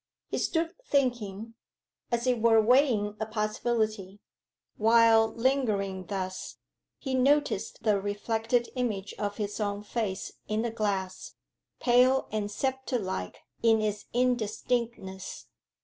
He stood thinking, as it were weighing a possibility. While lingering thus, he noticed the reflected image of his own face in the glass pale and spectre like in its indistinctness.